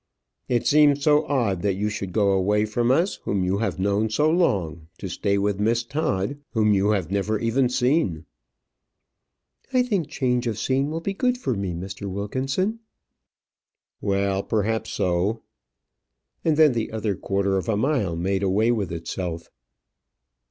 "It seems so odd that you should go away from us, whom you have known so long, to stay with Miss Todd, whom you never have even seen." "I think change of scene will be good for me, Mr. Wilkinson." "Well, perhaps so." And then the other quarter of a mile made away with itself.